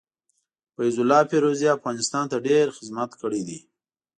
فيض الله فيروزي افغانستان ته ډير خدمت کړي دي.